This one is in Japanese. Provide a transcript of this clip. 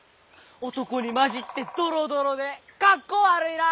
男に交じってドロドロで格好悪いな！